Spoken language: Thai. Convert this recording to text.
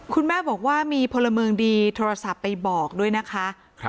คุณแม่บอกว่ามีพลเมืองดีโทรศัพท์ไปบอกด้วยนะคะ